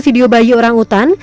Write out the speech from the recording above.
video bayi orangutan